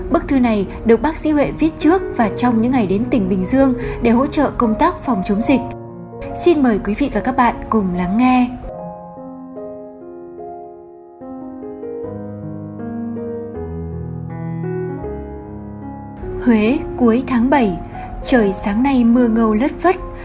bức thư này được bác sĩ huệ viết trước và trong những ngày đến tỉnh bình dương để hỗ trợ công tác phòng chống dịch